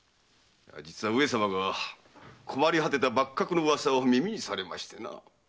実は上様が困り果てた幕閣の噂を耳にされましてな。